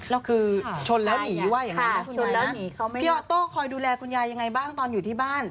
แล้วคือชนแล้วหนีว่าอย่างนั้นนะคุณชนแล้วพี่ออโต้คอยดูแลคุณยายยังไงบ้างตอนอยู่ที่บ้าน